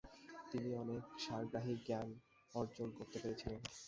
তিনি অনেক সারগ্রাহী জ্ঞান অর্জন করতে পেরেছিলেন।